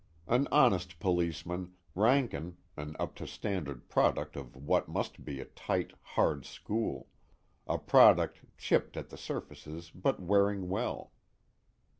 An honest policeman, Rankin, an up to standard product of what must be a tight, hard school; a product chipped at the surfaces but wearing well.